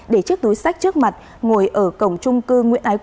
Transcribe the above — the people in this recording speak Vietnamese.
để chiếc túi sách trước mặt ngồi ở cổng trung cư nguyễn ái quốc